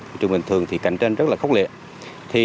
thị trường bình thường thì cạnh tranh rất là khốc liệt